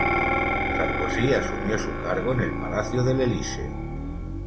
Sarkozy asumió su cargo en el Palacio del Elíseo.